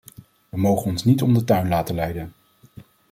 We mogen ons niet om de tuin laten leiden.